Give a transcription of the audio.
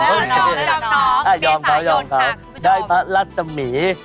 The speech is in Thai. น้องมีสายนค่ะได้พระรัตน์สะมีย์